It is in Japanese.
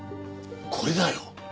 これだよ。